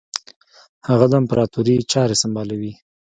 هغه د امپراطوري چاري سمبالوي.